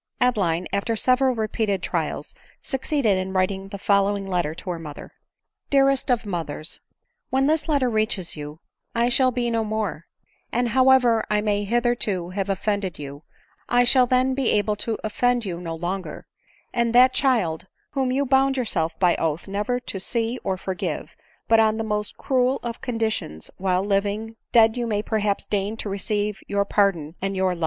Adeline, after several repeated trials, succeeded in writing the following letter to her mother ;" Dearest of Mothers, v When this letter reaches you, I shall be no more ; and however I may hitherto have offended you, I shall then be able to offend you no longer ; and that child, whom you bound yourself by oath never to see or forgive but on the most cruel of conditions while living, dead you may perhaps deign to receive to your pardon and your ADELINE MOWBRAY.